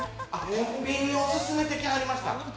コンビニを勧めてきはりました。